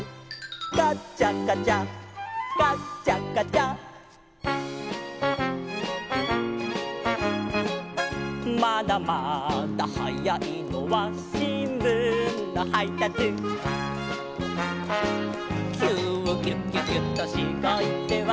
「カチャカチャカチャカチャ」「まだまだはやいのはしんぶんのはいたつ」「キューキュキュキュとしごいては」